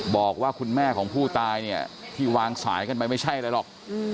บอกว่าคุณแม่ของผู้ตายเนี่ยที่วางสายกันไปไม่ใช่อะไรหรอก